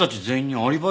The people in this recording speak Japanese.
アリバイ？